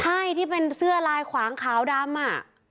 ใช่ที่เป็นเสื้อลายขวางขาวดำอ่ะ